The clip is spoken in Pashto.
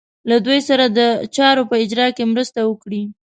له دوی سره د چارو په اجرا کې مرسته وکړي.